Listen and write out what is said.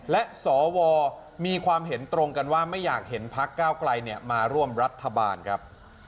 และสวมีความเห็นตรงกันว่าไม่อยากเห็นพักก้าวไกลมาร่วมรัฐบาลครับ